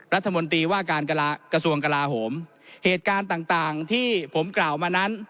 รัฐมนตรีว่าการกระทรวงกลาโหมเหตุการณ์ต่างต่างที่ผมกล่าวมานั้น